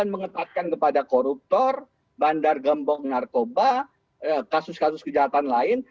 mengetatkan kepada koruptor bandar gembong narkoba kasus kasus kejahatan lain